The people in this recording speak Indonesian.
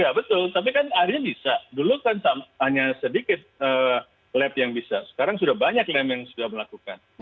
ya betul tapi kan akhirnya bisa dulu kan hanya sedikit lab yang bisa sekarang sudah banyak lab yang sudah melakukan